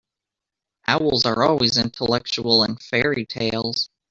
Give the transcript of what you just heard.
Owls are always intellectual in fairy-tales.